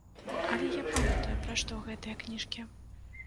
Але я памятаю, пра што гэтыя кніжкі.